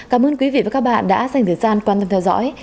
cảm ơn quý vị và các bạn đã dành thời gian quan tâm theo dõi